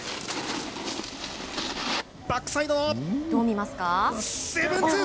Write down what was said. どう見ますか。